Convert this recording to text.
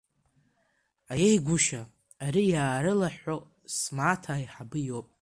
Аиеи гәышьа, ари иаарылыҳәҳәо смаҭа аиҳабы иоуп.